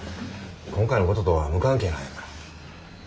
今回のこととは無関係なんやから。